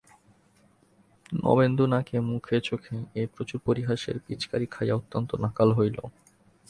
নবেন্দু নাকে মুখে চোখে এই প্রচুর পরিহাসের পিচকারি খাইয়া অত্যন্ত নাকাল হইল।